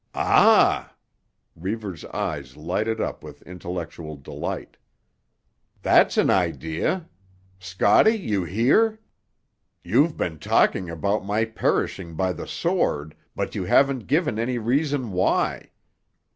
"Ah!" Reivers' eyes lighted up with intellectual delight. "That's an idea! Scotty, you hear? You've been talking about my perishing by the sword, but you haven't given any reason why.